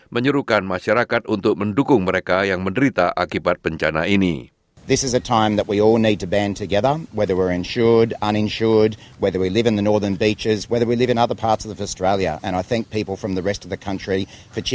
menyuruhkan masyarakat untuk mendukung mereka yang menderita akibat bencana ini